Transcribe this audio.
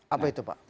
apa itu pak